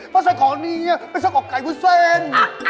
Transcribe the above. เพราะสักก่อนนี้เป็นสักก่อกไก่ผู้เส้น